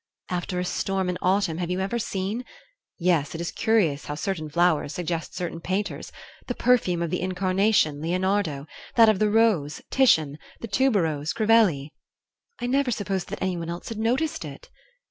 "After a storm in autumn have you never seen " "Yes, it is curious how certain flowers suggest certain painters the perfume of the incarnation, Leonardo; that of the rose, Titian; the tuberose, Crivelli " "I never supposed that anyone else had noticed it."